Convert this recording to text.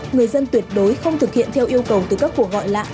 người dân tuyệt đối không thực hiện theo yêu cầu từ các cuộc gọi lạ